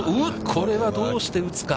これは、どうして打つか。